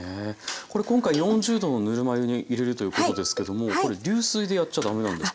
これ今回４０℃のぬるま湯に入れるということですけどもこれ流水でやっちゃ駄目なんですか？